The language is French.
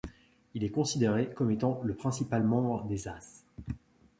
Il est considéré comme étant le principal membre des Ases.